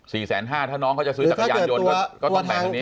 แสนห้าถ้าน้องเขาจะซื้อจักรยานยนต์ก็ต้องแบ่งทางนี้